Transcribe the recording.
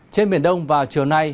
trên miền đông vào chiều nay